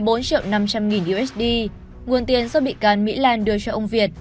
bốn triệu năm trăm linh nghìn usd nguồn tiền do bị can mỹ lan đưa cho ông việt